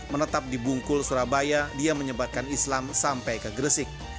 menetap di bungkul surabaya dia menyebatkan islam sampai ke gresik